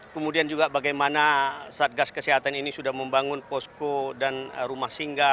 kemudian juga bagaimana satgas kesehatan ini sudah membangun posko dan rumah singgah